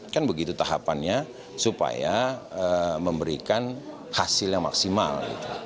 kan begitu tahapannya supaya memberikan hasil yang maksimal